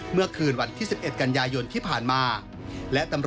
เมื่อคืนวันที่๑๑กันยายนที่ผ่านมา